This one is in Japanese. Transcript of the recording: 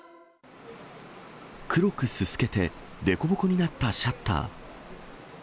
黒くすすけて、凸凹になったシャッター。